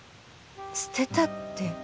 捨てたって。